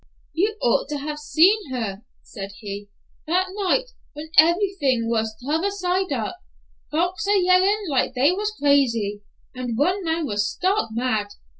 "You ought to have seen her," said he, "that night when every thing was t'other side up; folks a yellin' like they was crazy, and one man was stark mad.